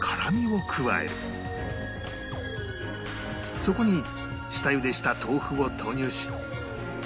そこに下ゆでした豆腐を投入し